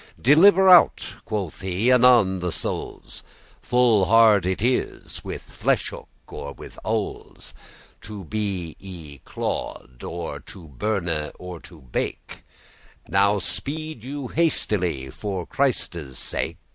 "Deliver out," quoth he, "anon the souls. Full hard it is, with flesh hook or with owls* *awls To be y clawed, or to burn or bake: <3> Now speed you hastily, for Christe's sake."